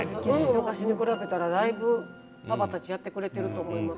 昔に比べたらだいぶパパたちやってくれてると思います。